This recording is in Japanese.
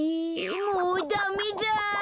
もうダメだ！